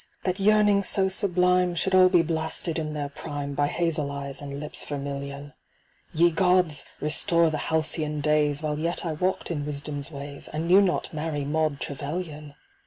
that yearnings so sublime Should all be blasted in their prime By hazel eyes and lips vermilion ! Ye gods ! restore the halcyon days While yet I walked in Wisdom's ways, And knew not Mary Maud Trevylyan